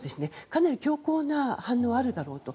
かなり強硬な反応はあるだろうと。